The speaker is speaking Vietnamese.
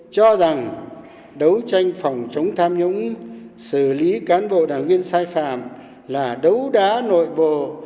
cho rằng đấu tranh phòng chống tham nhũng xử lý cán bộ đảng viên sai phạm là đấu đá nội bộ